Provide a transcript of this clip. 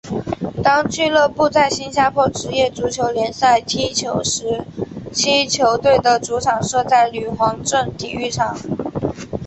当俱乐部在新加坡职业足球联赛踢球时期球队的主场设在女皇镇体育场。